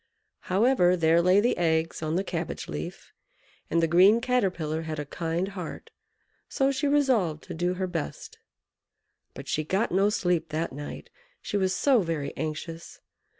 However, there lay the eggs on the cabbage leaf; and the green Caterpillar had a kind heart, so she resolved to do her best. But she got no sleep that night, she was so very anxious.